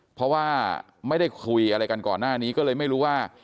เพราะว่าไม่ได้คุยอะไรกันก่อนหน้านี้ก็เลยไม่รู้ว่า